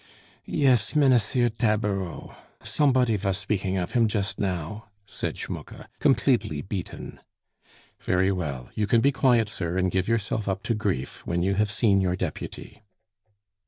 "Yes. Mennesir Dapareau! Somepody vas speaking of him chust now " said Schmucke, completely beaten. "Very well. You can be quiet, sir, and give yourself up to grief, when you have seen your deputy."